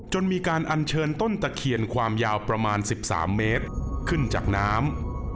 มีการอัญเชิญต้นตะเคียนความยาวประมาณ๑๓เมตรขึ้นจากน้ำ